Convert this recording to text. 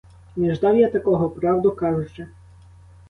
Не ждав я такого, правду кажучи.